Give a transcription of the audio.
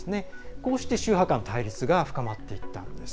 こうして宗派間の対立が深まっていったんです。